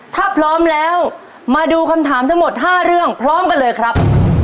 ถ้าพร้อมแล้วมาดูคำถามทั้งหมด๕เรื่องพร้อมกันเลยครับ